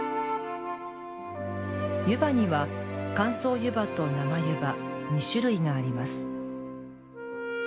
湯葉には、乾燥湯葉と生湯葉２種類があります。